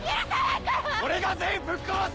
俺が全員ぶっ殺す！